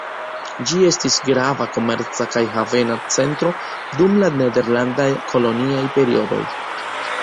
Ĝi estis grava komerca kaj havena centro dum la nederlanda koloniaj periodoj.